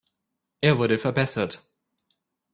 Er wurde verbessert.